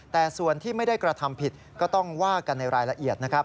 แต่ส่วนที่ไม่ได้กระทำผิดก็ต้องว่ากันในรายละเอียดนะครับ